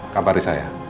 kabar di saya